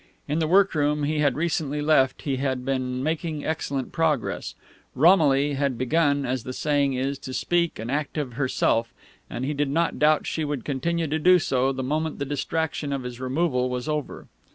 In the workroom he had recently left he had been making excellent progress; Romilly had begun, as the saying is, to speak and act of herself; and he did not doubt she would continue to do so the moment the distraction of his removal was over.